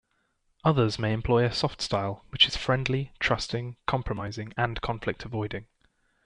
Others may employ a soft style, which is friendly, trusting, compromising, and conflict avoiding.